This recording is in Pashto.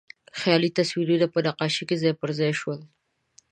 خیالي تصویرونه په نقاشۍ کې ځای پر ځای شول.